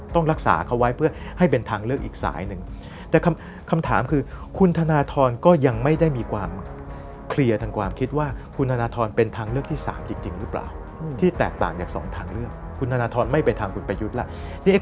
ต้องรักษาเขาไว้เพื่อให้เป็นทางเลือกอีกสายหนึ่งแต่คำถามคือคุณธนทรก็ยังไม่ได้มีความเคลียร์ทางความคิดว่าคุณธนทรเป็นทางเลือกที่๓จริงหรือเปล่าที่แตกต่างจากสองทางเลือกคุณธนทรไม่เป็นทางคุณประยุทธ์ล่ะ